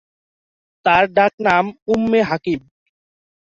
তার ডাকনাম উম্মে হাকিম।